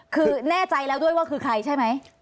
คือแน่ใจแล้วด้วยว่าคือใครใช่ไหม